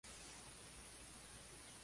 Allí se ganó enseguida el puesto de titular.